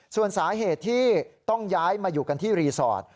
ส่วนสาเหตุที่ต้องย้ายมาอยู่กันที่รีสอร์ท